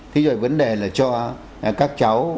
thì rồi vấn đề là cho các cháu